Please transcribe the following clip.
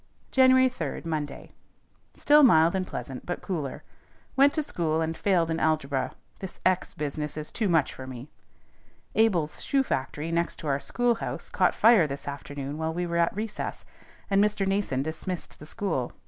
_ =JANUARY 3, MONDAY.= Still mild and pleasant, but cooler. Went to school, and failed in algebra. This X business is too much for me. _Abel's shoe factory, next to our schoolhouse, caught fire this afternoon while we were at recess, and Mr. Nason dismissed the school.